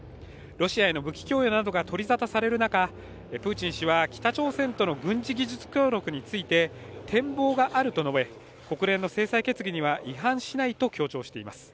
ロシアへの武器供与が取り沙汰される中、プーチン氏は北朝鮮との軍事技術協力について展望があると述べ国連の制裁決議には違反しないと強調しています。